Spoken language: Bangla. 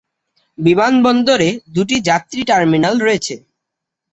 বিমানবন্দরে দুটি যাত্রী টার্মিনাল রয়েছে।